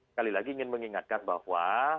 sekali lagi ingin mengingatkan bahwa